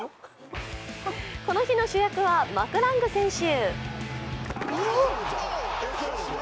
この日の主役はマクラング選手。